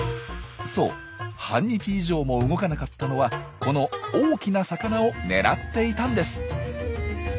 そう半日以上も動かなかったのはこの大きな魚を狙っていたんです！